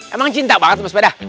emang cinta banget sama sepeda